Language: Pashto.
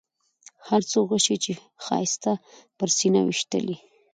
هر څو غشي چې ښایسته پر سینه ویشتلي.